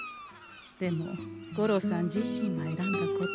でも五郎さん自身が選んだこと。